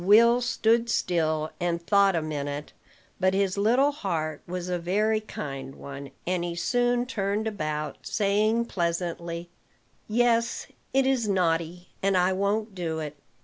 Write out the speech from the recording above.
Will stood still, and thought a minute; but his little heart was a very kind one, and he soon turned about, saying pleasantly: "Yes, it is naughty, and I won't do it.